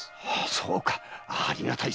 それはありがたい。